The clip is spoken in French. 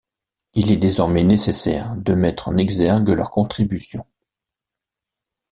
Il est désormais nécessaire de mettre en exergue leur contribution.